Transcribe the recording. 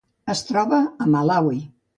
Es troba a Malawi.